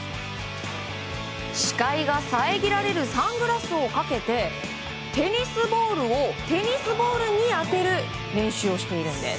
視界が遮られるサングラスをかけてテニスボールをテニスボールに当てる練習をしているんです。